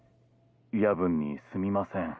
☎夜分にすみません